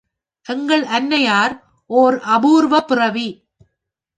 எங்கள் அன்னையார் ஒர்.அபூர்வப்பிறவி.